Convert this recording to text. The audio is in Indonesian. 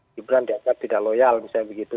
gibran dianggap tidak loyal misalnya begitu